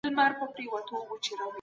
د بشر فطرت بايد تر پښو لاندې نه سي.